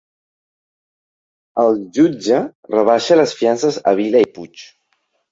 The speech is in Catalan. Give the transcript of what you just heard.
El jutge rebaixa les fiances a Vila i Puig